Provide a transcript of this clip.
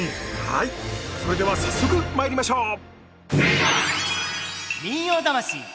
はいそれでは早速まいりましょう！